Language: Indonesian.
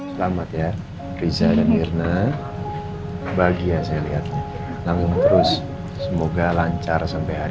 selamat ya riza dan mirna bahagia saya lihat langsung terus semoga lancar sampai hari